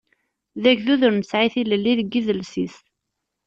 D agdud ur nesɛi tilelli deg idles-is.